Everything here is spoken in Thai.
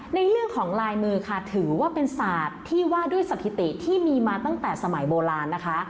ในเรื่องของลายมือค่ะถือว่าเป็นศาสตร์ที่ว่าด้วยสถิติที่มีมาตั้งแต่สมัยโบราณนะคะ